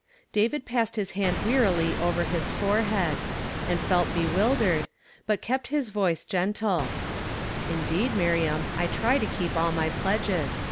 David passed his hand wearily over his forehead, and felt bewildered, but he kept his voice gen lie. "HOPE DEFERRED." 271 " Indeed, Miriam, I try to keep all my pledges.